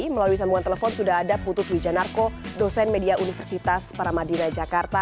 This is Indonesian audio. melalui sambungan telepon sudah ada putut wijanarko dosen media universitas paramadina jakarta